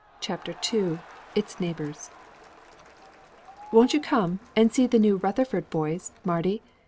CHAPTER TWO ITS NEIGHBORS "Won't you come and see the new Rutherford boys, Mardy?